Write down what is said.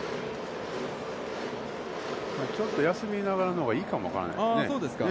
ちょっと休みながらのほうがいいかもしれませんね。